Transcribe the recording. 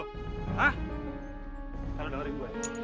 kalau dapet gue